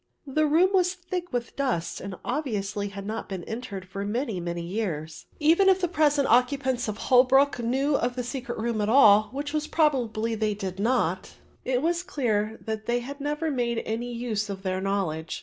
The room was thick with dust and obviously had not been entered for many many years. Even if the present occupants of Holwick knew of the secret room at all, which probably they did not, it was clear that they never made any use of their knowledge.